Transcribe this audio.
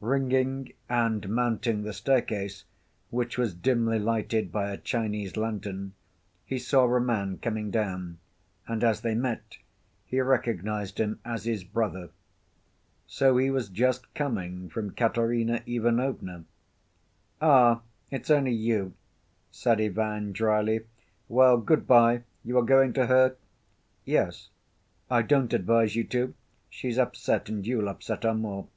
Ringing, and mounting the staircase, which was dimly lighted by a Chinese lantern, he saw a man coming down, and as they met, he recognized him as his brother. So he was just coming from Katerina Ivanovna. "Ah, it's only you," said Ivan dryly. "Well, good‐by! You are going to her?" "Yes." "I don't advise you to; she's upset and you'll upset her more."